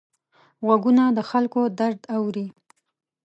غوږونه د خلکو درد اوري